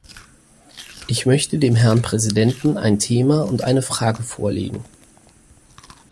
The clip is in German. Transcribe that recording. Ich möchte dem Herrn Präsidenten ein Thema und eine Frage vorlegen.